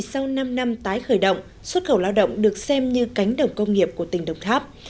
sau năm năm tái khởi động xuất khẩu lao động được xem như cánh đồng công nghiệp của tỉnh đồng tháp